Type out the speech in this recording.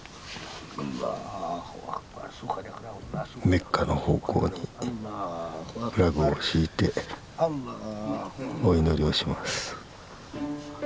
メッカの方向にラグを敷いてお祈りをします。